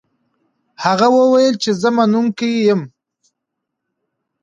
هغه وویل چې زه منونکی یم.